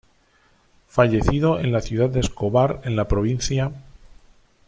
Fallecido en la ciudad de Escobar en la Pcia.